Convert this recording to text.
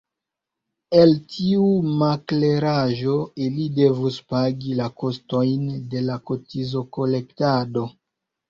El tiu makleraĵo ili devus pagi la kostojn de la kotizokolektado.